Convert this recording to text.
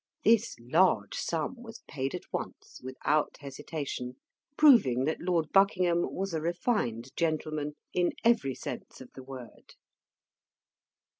This large sum was paid at once, without hesitation; proving that Lord Buckingham was a refined gentleman, in every sense of the word.